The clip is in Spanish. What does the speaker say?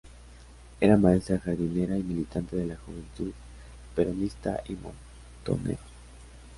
Era maestra jardinera y militante de la Juventud Peronista y Montoneros.